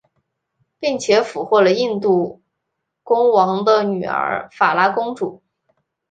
并且俘获了印度公王的女儿法拉公主。